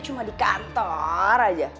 cuma di kantor aja